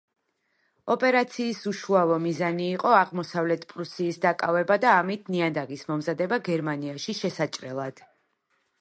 ოპერაციის უშუალო მიზანი იყო აღმოსავლეთ პრუსიის დაკავება და ამით ნიადაგის მომზადება გერმანიაში შესაჭრელად.